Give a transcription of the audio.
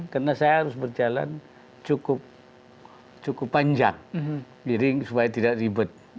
karena saya harus berjalan cukup panjang biring supaya tidak ribet